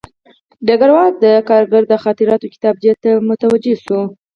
ډګروال د کارګر د خاطراتو کتابچې ته ځیر شوی و